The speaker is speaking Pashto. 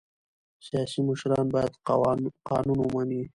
سیاسي مشران باید قانون ومني